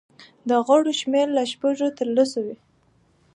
د غړو شمېر له شپږو تر دولسو وي.